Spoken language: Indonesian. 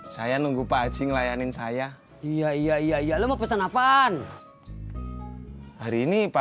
saya nunggu pak haji ngelayanin saya iya iya iya iya lu pesan apaan hari ini pak